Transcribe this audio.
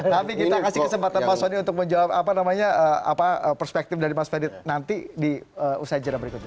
tapi kita kasih kesempatan pak sony untuk menjawab perspektif dari mas ferry nanti di usai cerita berikutnya